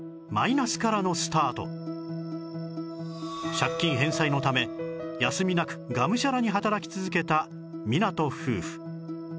借金返済のため休みなくがむしゃらに働き続けた湊夫婦